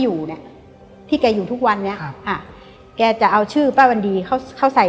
อยู่เนี้ยที่แกอยู่ทุกวันนี้ครับอ่ะแกจะเอาชื่อป้าวันดีเข้าเขาเข้าใส่